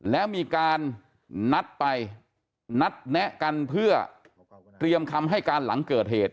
แล้วมีการนัดไปนัดแนะกันเพื่อเตรียมคำให้การหลังเกิดเหตุ